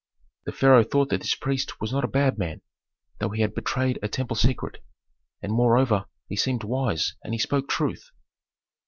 The pharaoh thought that this priest was not a bad man, though he had betrayed a temple secret. And moreover, he seemed wise and he spoke truth.